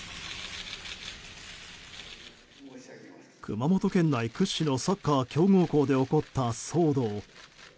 熊本県内屈指のサッカー強豪校で起こった騒動。